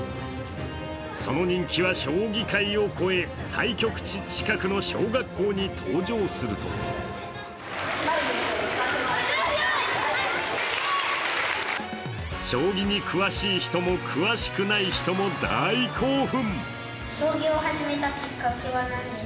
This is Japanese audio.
その人気は将棋界を超え対局地近くの小学校に登場すると将棋に詳しい人も詳しくない人も大興奮。